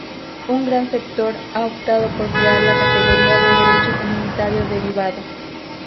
Un gran sector ha optado por crear la categoría de derecho comunitario derivado.